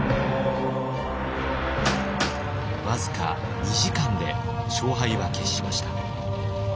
僅か２時間で勝敗は決しました。